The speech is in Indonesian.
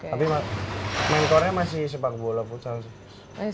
tapi mentornya masih sepak bola futsal sih